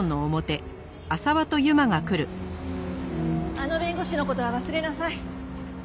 あの弁護士の事は忘れなさい。